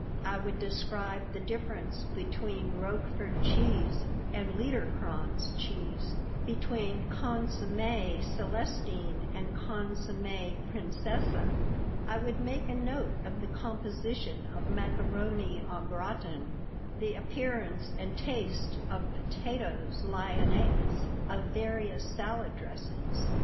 I would describe the difference between Roquefort cheese and Liederkranz cheese, between consommé Celestine and consommé princesse; I would make a note of the composition of macaroni au gratin, the appearance and taste of potatoes Lyonnaise, of various salad dressings.